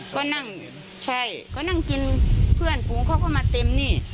ก็นั่งใช่ก็นั่งกินเพื่อนฝูงเขาก็มาเต็มนี่